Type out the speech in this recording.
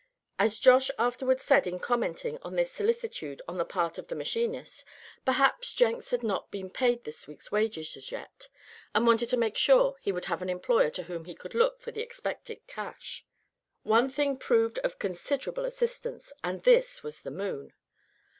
As Josh afterward said in commenting on this solicitude on the part of the machinist, perhaps Jenks had not been paid his week's wages as yet, and wanted to make sure he would have an employer to whom he could look for the expected cash. One thing proved of considerable assistance, and this was the moon.